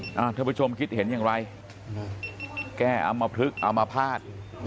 ท่านผู้ชมคิดเห็นอย่างไรแก้อำมพลึกอมภาษณ์